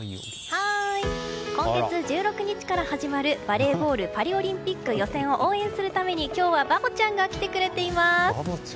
今月１６日から始まるバレーボールパリオリンピック予選を応援するために今日はバボちゃんが来てくれています！